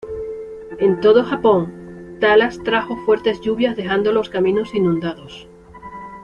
En todo Japón, Talas trajo fuertes lluvias dejando los caminos inundados.